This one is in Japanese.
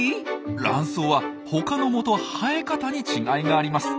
ラン藻は他の藻と生え方に違いがあります。